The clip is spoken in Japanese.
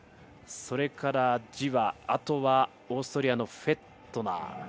それからジワ、あとはオーストリアのフェットナー。